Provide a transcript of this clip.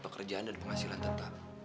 pekerjaan dan penghasilan tetap